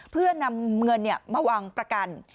เพื่อนำเงินมาวางประกัน